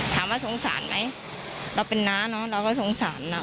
ถามว่าสงสารไหมเราเป็นน้าเนอะเราก็สงสารนะ